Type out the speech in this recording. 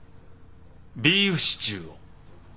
ビーフシチューを。